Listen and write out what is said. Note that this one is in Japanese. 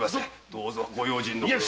どうぞご用心のほどを。